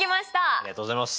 ありがとうございます。